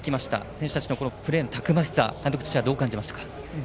選手たちのプレーのたくましさ監督してはどう感じましたか？